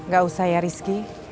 gak usah ya rizky